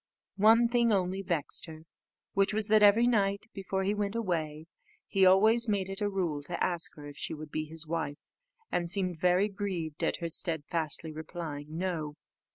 One thing only vexed her, which was that every night before he went away, he always made it a rule to ask her if she would be his wife, and seemed very much grieved at her steadfastly replying "No."